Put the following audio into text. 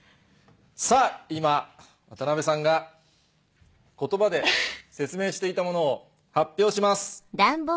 さぁ今渡さんが言葉で説明していたものを発表します。